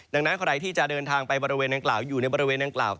ดังนั้นใครที่จะเดินทางไปบริเวณนางกล่าวอยู่ในบริเวณดังกล่าว